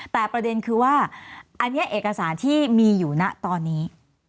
แต่ประเด็นคือว่าอันนี้เอกสารที่มีอยู่นะตอนนี้